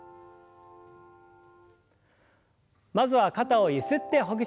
まずは肩をゆすってほぐしましょう。